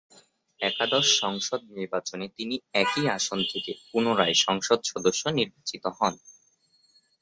একাদশ সংসদ নির্বাচনে তিনি একই আসন থেকে পুনঃরায় সংসদ সদস্য নির্বাচিত হন।